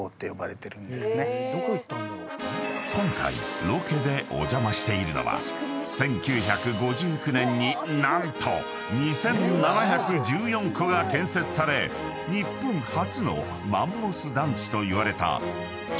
［今回ロケでお邪魔しているのは１９５９年に何と２，７１４戸が建設され日本初のマンモス団地といわれた］